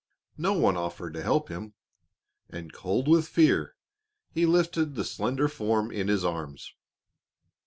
No one offered to help him, and cold with fear he lifted the slender form in his arms.